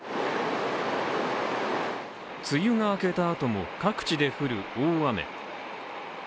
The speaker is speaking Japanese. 梅雨が明けたあとも、各地で降る大雨。